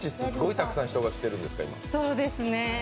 たくさん人が来てるんですか、今。